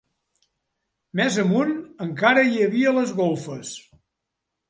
Més amunt encara hi havia les golfes.